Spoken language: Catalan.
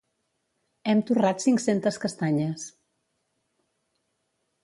Hem torrat cinc-centes castanyes.